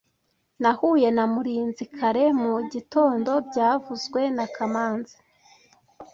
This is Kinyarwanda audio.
Nahuye na Murinzi kare mu gitondo byavuzwe na kamanzi